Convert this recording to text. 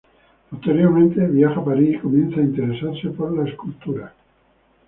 Posteriormente viaja a París y comienza a interesarse por la escultura.